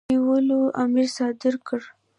د نیولو امر صادر کړ.